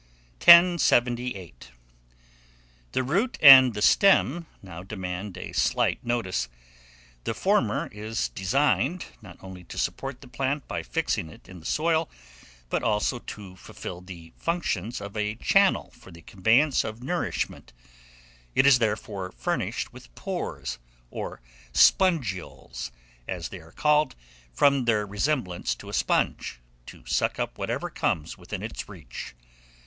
1078. THE ROOT AND THE STEM NOW DEMAND A SLIGHT NOTICE. The former is designed, not only to support the plant by fixing it in the soil, but also to fulfil the functions of a channel for the conveyance of nourishment: it is therefore furnished with pores, or spongioles, as they are called, from their resemblance to a sponge, to suck up whatever comes within its reach.